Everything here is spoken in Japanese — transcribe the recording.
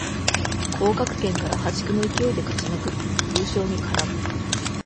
降格圏から破竹の勢いで勝ちまくり優勝に絡む